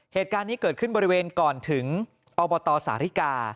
เหตุการณ์นี้เกิดขึ้นบริเวณก่อนถึงอบตสาธิกา